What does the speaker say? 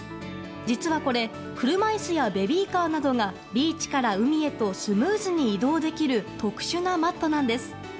実はこれ車椅子やベビーカーなどがビーチから海へとスムーズに移動できる特殊なマットなんです。